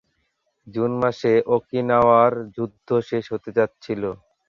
June মাসে ওকিনাওয়ার যুদ্ধ শেষ হতে যাচ্ছিল।